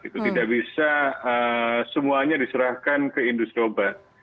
tidak bisa semuanya diserahkan ke industri obat